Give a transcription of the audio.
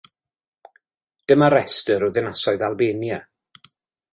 Dyma restr o ddinasoedd Albania.